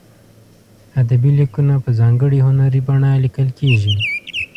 ادبي لیکونه په ځانګړې هنري بڼه لیکل کیږي.